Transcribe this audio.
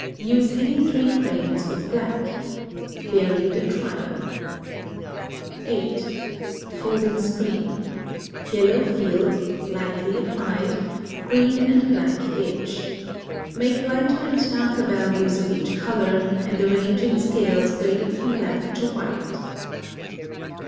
Use any three crayons with black. Vary the trio. 8. Folding screen. Yellow field (lightly applied), green and black edge. Make lighter and darker values of each color, and arrange in scales graded from black to white.